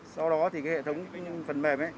sau đó thì hệ thống phần mềm